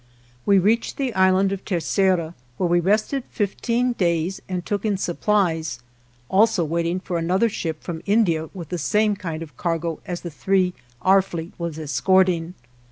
We reached the Island of Tercera,* 8 where we rested fifteen days and took in supplies, also waiting for another ship from India, with the same kind of cargo as the three our fleet was escorting.